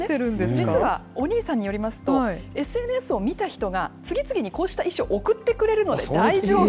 実は、お兄さんによりますと、ＳＮＳを見た人が、次々にこうした衣装を送ってくれるので大丈夫。